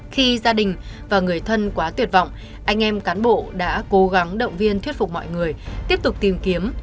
khi gia đình và người thân quá tuyệt vọng anh em cán bộ đã cố gắng động viên thuyết phục mọi người tiếp tục tìm kiếm